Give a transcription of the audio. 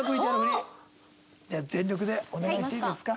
全力でお願いしていいですか？